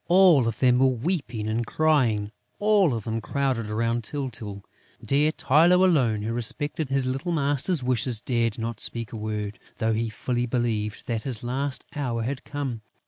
All of them were weeping and crying, all of them crowded round Tyltyl. Dear Tylô alone, who respected his little master's wishes, dared not speak a word, though he fully believed that his last hour had come.